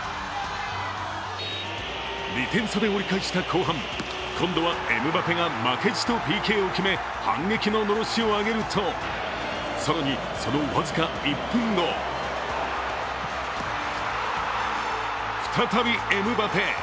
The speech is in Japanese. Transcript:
２点差で折り返した後半、今度はエムバペが負けじとＰＫを決め、反撃ののろしを上げると更にその僅か１分後、再びエムバペ。